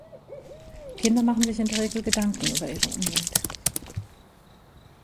Kinder machen sich in der Regel Gedanken über ihre Umwelt.